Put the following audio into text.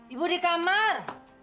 ibu di kamar